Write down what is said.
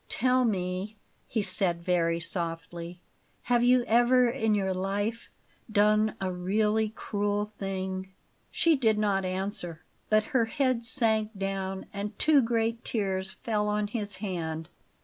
"Tell me," he said very softly; "have you ever in your life done a really cruel thing?" She did not answer, but her head sank down, and two great tears fell on his hand.